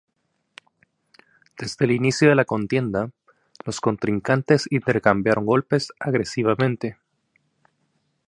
Desde el inicio de la contienda, los contrincantes intercambiaron golpes agresivamente.